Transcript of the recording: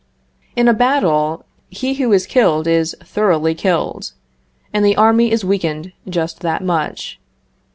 In a battle, he who is killed is thoroughly killed, and the army is weakened just that much.